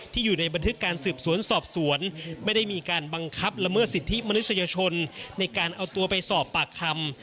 อยู่ในบันทึกการสืบสวนสอบสวนไม่ได้มีการบังคับละเมิดสิทธิมนุษยชนในการเอาตัวไปสอบปากคำ